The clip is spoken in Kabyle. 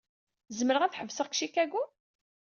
Zemreɣ ad ḥebseɣ deg Chicago?